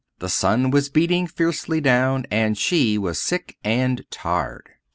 The sun was beating fiercely down, and she was sick and tired.